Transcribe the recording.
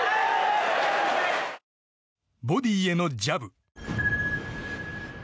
ボディーへのジャブ。